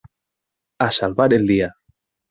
A salvar el día.